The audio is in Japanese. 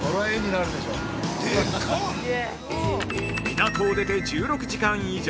◆港を出て１６時間以上。